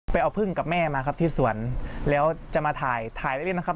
ไปเอาพึ่งกับแม่มาครับที่สวนแล้วจะมาถ่ายถ่ายเล่นนะครับ